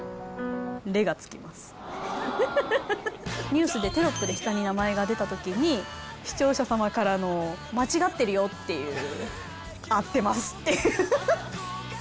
ニュースでテロップで下に名前が出たときに視聴者様からの「間違ってるよ」っていう。